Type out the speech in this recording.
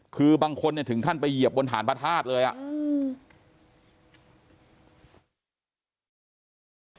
คือบางคนเนี่ยถึงขั้นไปเหยียบบนฐานพระธาตุเลยอ่ะอืม